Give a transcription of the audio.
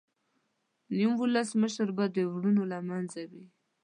د نیم ولس مشر به د ورونو له منځه وي.